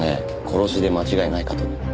殺しで間違いないかと。